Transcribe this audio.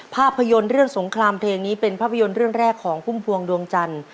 ภาพยนตร์เรื่องสงครามเพลงนี้เป็นภาพยนตร์เรื่องแรกของพุ่มพวงดวงจันทร์